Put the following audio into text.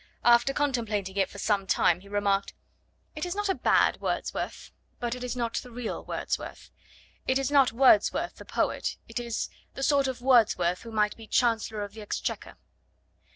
After contemplating it for some time, he remarked, 'It is not a bad Wordsworth, but it is not the real Wordsworth; it is not Wordsworth the poet, it is the sort of Wordsworth who might be Chancellor of the Exchequer.'